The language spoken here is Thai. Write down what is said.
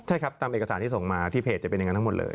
ใช่ครับตามเอกสารที่ส่งมาที่เพจจะเป็นอย่างนั้นทั้งหมดเลย